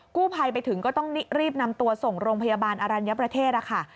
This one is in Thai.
กู้ภัยไปถึงก็ต้องรีบนำตัวส่งโรงพยาบาลอรัญญประเทศค่ะ